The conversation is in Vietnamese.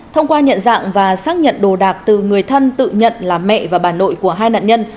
thông qua nhận dạng và xác nhận đồ đạc từ người thân tự nhận là mẹ và bà nội của hai nạn nhân